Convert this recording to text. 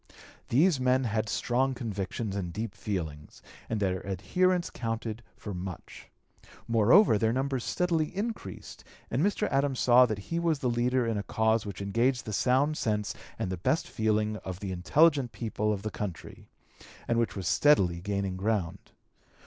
These men had strong convictions and deep feelings, and their adherence counted for much. Moreover, their numbers steadily increased, and Mr. Adams saw that he was the leader in a cause which engaged the sound sense and the best feeling of the intelligent people of the country, and which was steadily gaining ground.